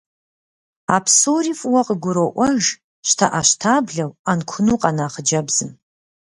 А псори фӏыуэ къыгуроӏуэж щтэӏэщтаблэу, ӏэнкуну къэна хъыджэбзым.